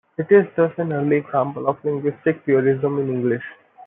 It is thus an early example of linguistic purism in English.